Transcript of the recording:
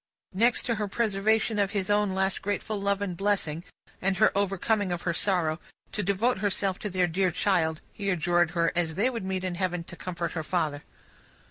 Next to her preservation of his own last grateful love and blessing, and her overcoming of her sorrow, to devote herself to their dear child, he adjured her, as they would meet in Heaven, to comfort her father.